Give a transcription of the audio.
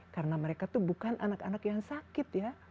karena mereka tuh bukan anak anak yang sakit ya